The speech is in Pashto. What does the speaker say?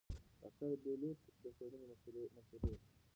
ډاکتره بېلوت د څېړنې مشرې وه.